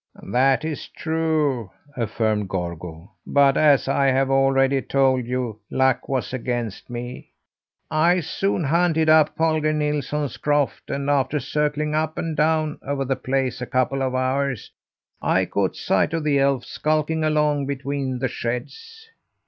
"That is true," affirmed Gorgo, "but as I have already told you, luck was against me. I soon hunted up Holger Nilsson's croft and after circling up and down over the place a couple of hours, I caught sight of the elf, skulking along between the sheds.